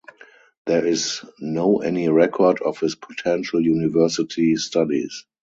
There is no any record of his potential university studies.